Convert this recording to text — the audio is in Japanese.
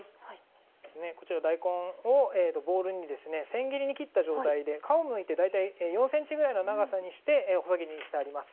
こちら大根をボウルにですねせん切りに切った状態で皮をむいて大体４ｃｍぐらいの長さにして細切りにしてあります。